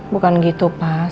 bukan gitu pak